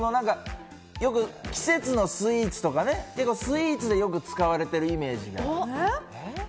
季節のスイーツとかで、よく使われているイメージがある。